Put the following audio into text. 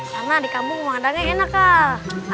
karena di kampung emang adanya enak kal